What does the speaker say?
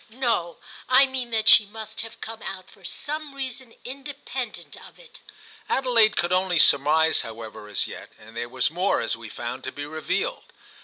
"No, I mean that she must have come out for some reason independent of it." Adelaide could only surmise, however, as yet, and there was more, as we found, to be revealed.